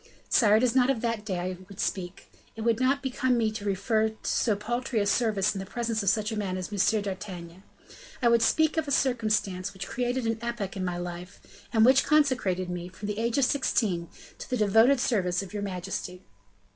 "Sire, it is not of that day I would speak; it would not become me to refer to so paltry a service in the presence of such a man as M. d'Artagnan. I would speak of a circumstance which created an epoch in my life, and which consecrated me, from the age of sixteen, to the devoted service of your majesty."